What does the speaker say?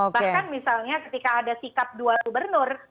bahkan misalnya ketika ada sikap dua gubernur